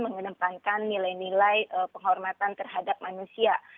mengedepankan nilai nilai penghormatan terhadap manusia